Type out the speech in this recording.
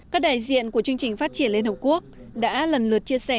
các đại diện của chương trình phát triển liên hợp quốc đã lần lượt chia sẻ